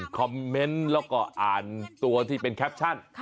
คอมเมนต์แล้วก็อ่านตัวที่เป็นแคปชั่น